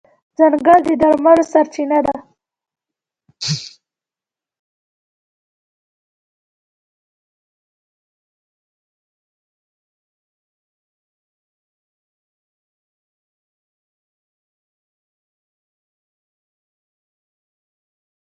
آیا د نباتي ناروغیو درمل شته؟